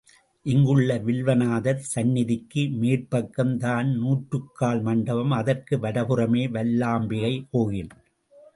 இங்குள்ள வில்வநாதர் சந்நிதிக்கு மேற்பக்கம் தான் நூற்றுக்கால் மண்டபம், அதற்கு வடபுறமே வல்லாம்பிகை கோயில்.